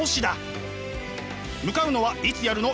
向かうのはいつやるの？